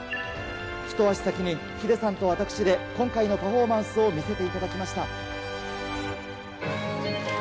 一足先にヒデさんと私で、今回のパフォーマンスを見せていただきました。